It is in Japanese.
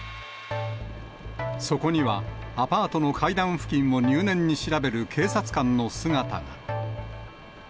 そこには、アパートの階段付近を入念に調べる警察官の姿が。